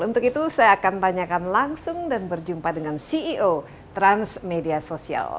untuk itu saya akan tanyakan langsung dan berjumpa dengan ceo transmedia sosial